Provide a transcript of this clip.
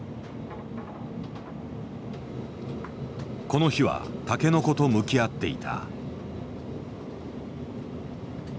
この日はタケノコと向き合っていた。